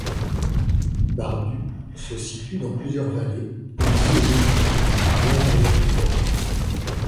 Bardu se situe dans plusieurs vallées au milieu de montagnes à l'intérieur des terres.